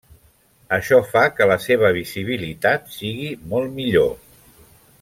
Això fa que la seva visibilitat sigui molt millor.